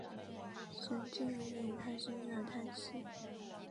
沈静的夜里他深深的叹息